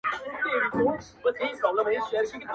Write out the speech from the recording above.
• موږ د تاوان په کار کي یکایک ده ګټه کړې.